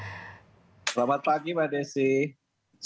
selamat pagi mbak desi